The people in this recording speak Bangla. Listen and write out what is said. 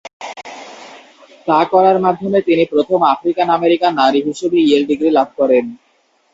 তা করার মাধ্যমে তিনি প্রথম আফ্রিকান-আমেরিকান নারী হিসেবে ইয়েল ডিগ্রি লাভ করেন।